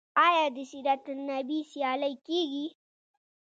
آیا د سیرت النبی سیالۍ کیږي؟